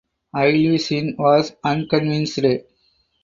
Ilyushin was unconvinced.